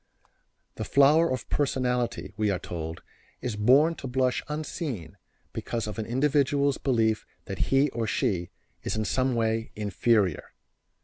The flower of personality, we are told, is born to blush unseen because of an individual's belief that he or she is in some way inferior.